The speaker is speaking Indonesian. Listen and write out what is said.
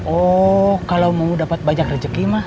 oh kalau mau dapat banyak rezeki mas